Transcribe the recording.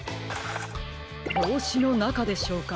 ぼうしのなかでしょうか。